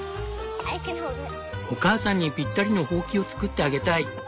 「お母さんにぴったりのホウキを作ってあげたい」。